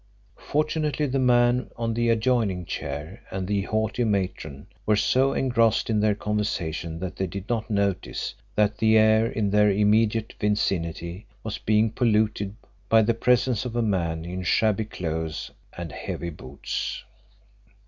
Fortunately the man on the adjoining chair, and the haughty matron, were so engrossed in their conversation that they did not notice that the air in their immediate vicinity was being polluted by the presence of a man in shabby clothes and heavy boots.